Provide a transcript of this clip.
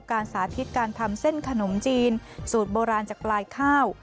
สาธิตการทำเส้นขนมจีนสูตรโบราณจากปลายข้าว